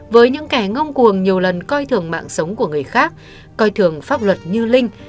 với những kẻ ngông cuồng nhiều lần coi thường mạng sống của người khác coi thường pháp luật như linh